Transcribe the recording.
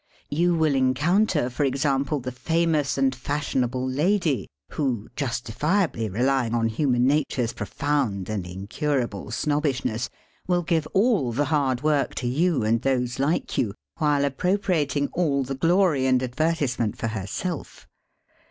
You will encounter, for example, the famous and fashionable lad^ who, justifiably relying on human nature's profound and incurable snobbishness, will give all the hard work to you and those like you, while appropriat ing all the glory and advertisement for herself.